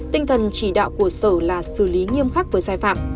tinh thần chỉ đạo của sở là xử lý nghiêm khắc với sai phạm